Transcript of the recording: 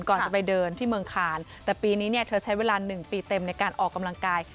ก่อนจะไปเดินที่เมืองคานแต่ปีนี้เนี่ยเธอใช้เวลาหนึ่งปีเต็มในการออกกำลังกาย